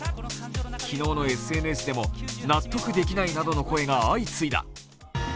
昨日のＳＮＳでも納得できないなどの声が相次いだ。